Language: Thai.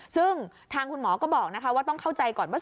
ซึ่งทางคุณหมอก็บอกว่าต้องเข้าใจก่อนว่า